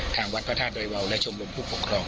ทางวัดพระธาตุดอยวาวและชมรมผู้ปกครอง